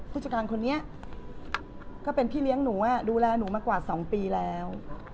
ผู้จัดการคนนี้ก็เป็นพี่เลี้ยงหนูดูแลหนูมากว่า๒ปีแล้ว